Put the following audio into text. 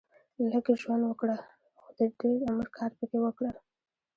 لږ ژوند وګړهٔ خو د دېر عمر کار پکښي وکړهٔ